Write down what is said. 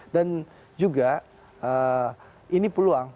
dan juga ini peluang